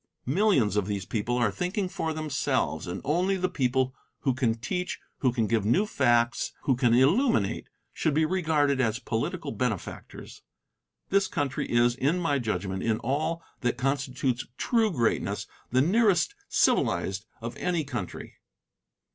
Millions of these people are thinking for themselves, and only the people who can teach, who can give new facts, who can illuminate, should be regarded as political benefactors. This country is, in my judgment, in all that constitutes true greatness, the nearest civilized of any country.